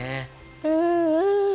うんうん。